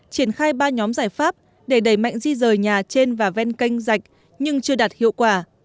triển khai ba nhóm giải pháp để đẩy mạnh di rời nhà trên và ven canh rạch nhưng chưa đạt hiệu quả